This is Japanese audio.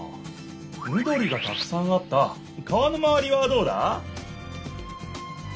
みどりがたくさんあった川のまわりはどうだ？